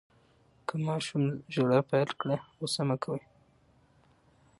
که ماشوم ژړا پیل کړه، غوصه مه کوئ.